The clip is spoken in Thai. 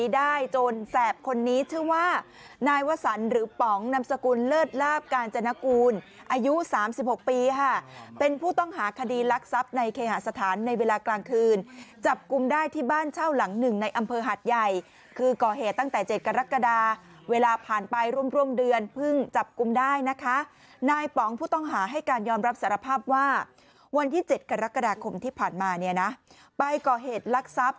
ไดจนแสบคนนี้ชื่อว่านายวสรรค์หรือป๋องนามสกุลเลิศลาภการจนกูลอายุ๓๖ปีค่ะเป็นผู้ต้องหาคดีลักษัพธ์ในเคหสถานในเวลากลางคืนจับกลุ่มได้ที่บ้านเช่าหลังหนึ่งในอำเภอหัดใหญ่คือก่อเหตุตั้งแต่๗กรกฎาเวลาผ่านไปร่วมร่วมเดือนเพิ่งจับกลุ่มได้นะคะนายป๋องผู้ต้องหาให้การยอมรับสาร